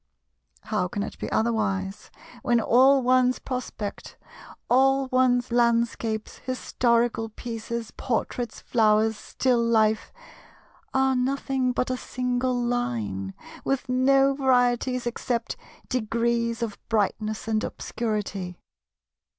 How can it be otherwise, when all one's prospect, all one's landscapes, historical pieces, portraits, flowers, still life, are nothing but a single line, with no varieties except degrees of brightness and obscurity?